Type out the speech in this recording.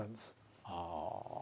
ああ